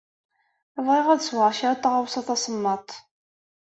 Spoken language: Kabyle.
Bɣiɣ ad sweɣ kra n tɣawsa tasemmaḍt.